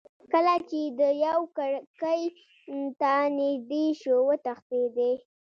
کله چې دېو کړکۍ ته نیژدې شو وتښتېدی.